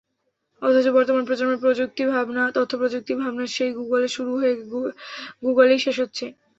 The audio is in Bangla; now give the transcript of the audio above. অথচ বর্তমান প্রজন্মের তথ্যপ্রযুক্তিভাবনা সেই গুগলে শুরু হয়ে গুগলেই শেষ হচ্ছে।